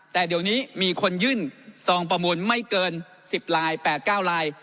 แต่เดี๋ยวนี้มีคนยื่นซองประมูลไม่เกิน๑๐ลาย๘๙ลาย